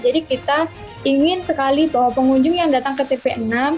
jadi kita ingin sekali bahwa pengunjung yang datang ke tvn enam